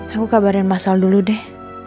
aku kabarin masal dulu deh